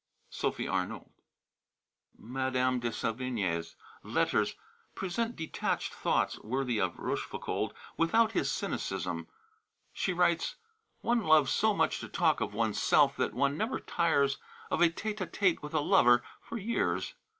Sophie Arnould. Madame de Sévigné's letters present detached thoughts worthy of Rochefoucauld without his cynicism. She writes: "One loves so much to talk of one's self that one never tires of a tête à tête with a lover for years.